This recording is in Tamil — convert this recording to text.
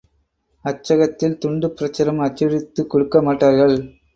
அச்சகத்தில் துண்டுப்பிரசுரம் அச்சடித்துக் கொடுக்கமாட்டார்கள்.